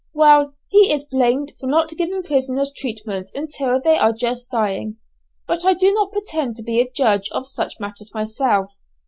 "Well, he is blamed for not giving prisoners treatment until they are just dying, but I do not pretend to be a judge of such matters myself.